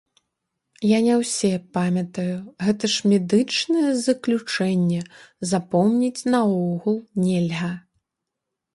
Я не ўсе памятаю, гэта ж медычнае заключэнне, запомніць наогул нельга.